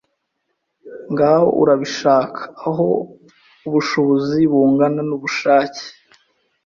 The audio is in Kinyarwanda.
Ngaho urabishaka aho ubushobozi bungana n'ubushake